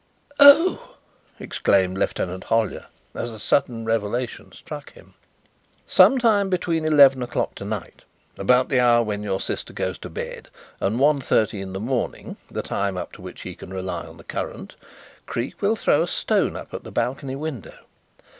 "Oh!" exclaimed Lieutenant Hollyer, as the sudden revelation struck him. "Some time between eleven o'clock to night about the hour when your sister goes to bed and one thirty in the morning the time up to which he can rely on the current Creake will throw a stone up at the balcony window.